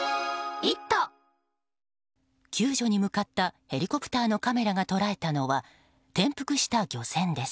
救助に向かったヘリコプターのカメラが捉えたのは転覆した漁船です。